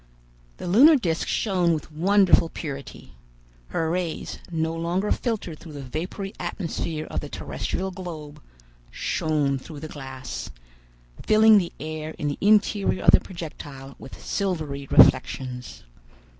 The lunar disc shone with wonderful purity. Her rays, no longer filtered through the vapory atmosphere of the terrestrial globe, shone through the glass, filling the air in the interior of the projectile with silvery reflections.